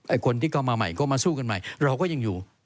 คนที่เข้ามาใหม่ก็มาสู้กันใหม่เราก็ยังอยู่